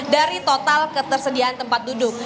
dari total ketersediaan tempat duduk